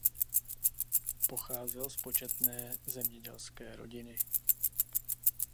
Pocházel z početné zemědělské rodiny.